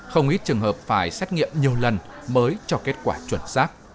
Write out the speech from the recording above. không ít trường hợp phải xét nghiệm nhiều lần mới cho kết quả chuẩn xác